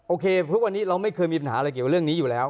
ทุกวันนี้เราไม่เคยมีปัญหาอะไรเกี่ยวกับเรื่องนี้อยู่แล้ว